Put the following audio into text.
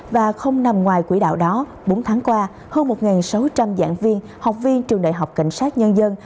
và không nằm ngoài quỹ đạo đó bốn tháng qua hơn một sáu trăm linh giảng viên học viên trường đại học cảnh sát nhân dân